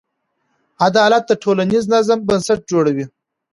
عدالت د ټولنیز نظم بنسټ جوړوي.